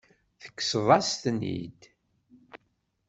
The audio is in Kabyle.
Tekkseḍ-as-ten-id.